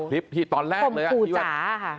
คลิปที่ตอนแรกเลยค่ะข่มขู่จ๋าค่ะ